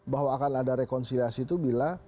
bahwa akan ada rekonsiliasi itu bila